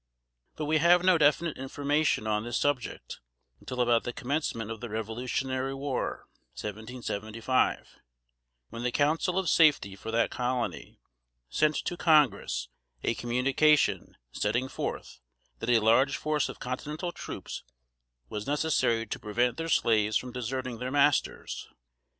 But we have no definite information on this subject until about the commencement of the Revolutionary War (1775), when the Council of Safety for that colony sent to Congress a communication setting forth, that a large force of Continental troops was necessary to prevent their slaves from deserting their masters.